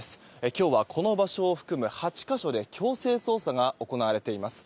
今日は、この場所を含む８か所で強制捜査が行われています。